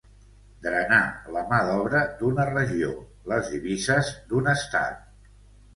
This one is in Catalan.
Drenar la mà d'obra d'una regió, les divises d'un estat.